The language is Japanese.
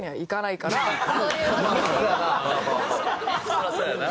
そりゃそうやな。